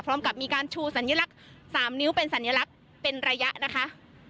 พร้อมกับมีการชูสัญลักษณ์๓นิ้วเป็นสัญลักษณ์เป็นระยะนะคะ